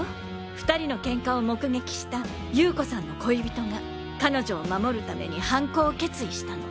２人の喧嘩を目撃した裕子さんの恋人が彼女を守るために犯行を決意したの。